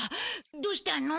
どうしたの？